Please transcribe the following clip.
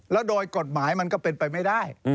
แล้วโดยกฎหมายมันก็เป็นไปไม่ได้